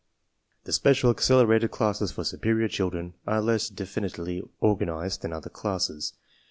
The special accelerated classes for superior children are less definitely organized than other classes.